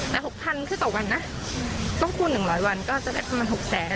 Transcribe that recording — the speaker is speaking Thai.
แต่๖๐๐๐คือตกวันนะต้องพูด๑๐๐วันก็จะได้ประมาณ๖๐๐๐